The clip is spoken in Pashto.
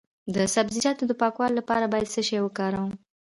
د سبزیجاتو د پاکوالي لپاره باید څه شی وکاروم؟